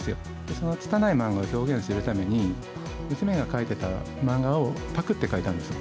そのつたないマンガを表現するために、娘が描いてたマンガをパクって描いたんですよ。